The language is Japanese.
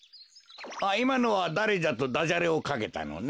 いまのは「だれじゃ」と「ダジャレ」をかけたのね。